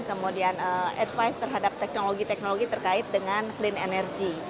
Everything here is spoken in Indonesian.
kemudian advice terhadap teknologi teknologi terkait dengan clean energy